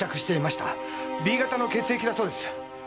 Ｂ型の血液だそうです。